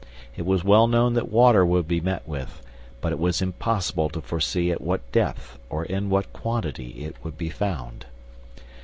It was well known that water would be met with, but it was impossible to foresee at what depth or in what quantity it would be found.